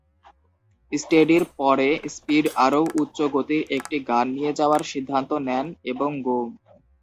স্টেডির পরে, স্পিড আরও উচ্চ গতির একটি গান নিয়ে যাওয়ার সিদ্ধান্ত নেন এবং গো!